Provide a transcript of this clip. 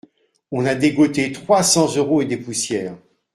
On a dégoté trois cents euros et des poussières